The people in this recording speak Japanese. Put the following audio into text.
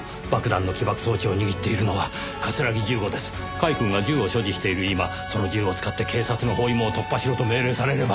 甲斐くんが銃を所持している今その銃を使って警察の包囲網を突破しろと命令されれば。